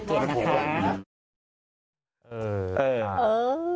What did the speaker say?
เออ